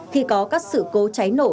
khi có các sự cố cháy nổ